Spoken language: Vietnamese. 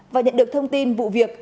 và nhận được thông tin vụ việc